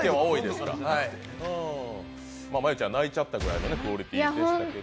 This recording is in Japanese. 真悠ちゃんが泣いちゃったぐらいのクオリティーでしたから。